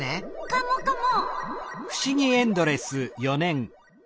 カモカモ。